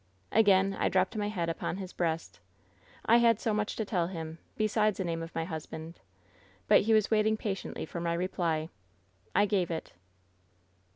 "Again I dropped my head upon my breast. I had so much to tell him, besides the name of my husband. But he was waiting patiently for my reply. I gave it."